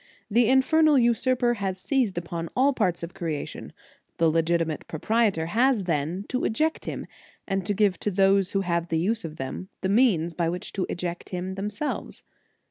The infernal usurper has seized upon all parts of creation; the legitimate proprietor has, then, to eject him, and to give to those who have the use of them the means by which to eject him themselves.